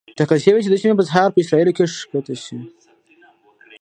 ټاکل شوې چې د دوشنبې په سهار په اسرائیلو کې ښکته شي.